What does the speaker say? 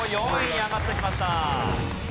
４位に上がってきました。